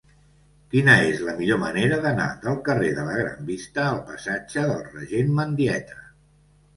Quina és la millor manera d'anar del carrer de la Gran Vista al passatge del Regent Mendieta?